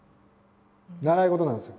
習い事なんですよ